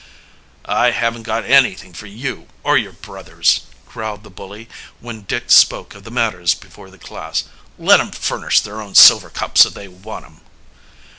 "I haven't got anything for you or your brothers," growled the bully when Dick spoke of the matter before the class. "Let 'em furnish their own silver cups if they want 'em."